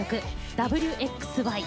「Ｗ／Ｘ／Ｙ」。